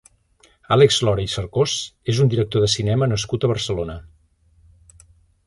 Àlex Lora i Cercós és un director de cinema nascut a Barcelona.